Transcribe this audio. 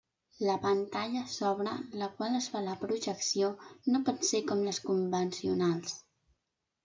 La pantalla sobre la qual es fa la projecció no pot ser com les convencionals.